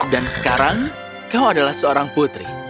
dan sekarang kau adalah seorang putri